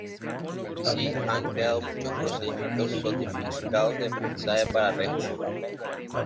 Así han creado muchos procedimientos sofisticados de aprendizaje para redes neuronales.